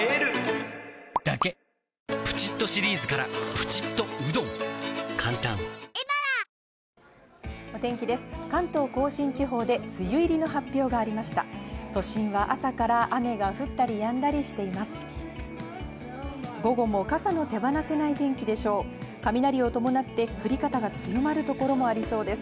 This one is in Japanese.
都心は朝から雨が降ったりやんだりしています。